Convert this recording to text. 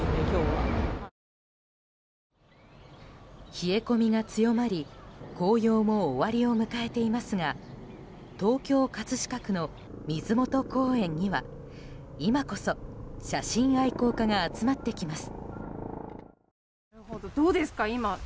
冷え込みが強まり紅葉も終わりを迎えていますが東京・葛飾区の水元公園には今こそ写真愛好家が集まってきます。